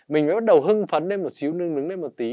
mình mới bắt đầu hưng phấn lên một xíu nưng đứng lên một tí